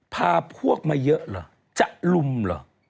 พาพวกมาเยอะเหรอจะลุมเหรอ